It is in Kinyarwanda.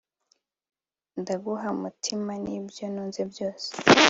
ndaguha umutima n'ibyo ntunze byose